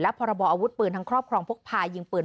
และพรบอาวุธเปลือนทางครอบครองพกพายิงเปลือน